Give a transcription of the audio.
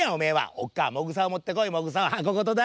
おっかあもぐさをもってこいもぐさ。はこごとだ。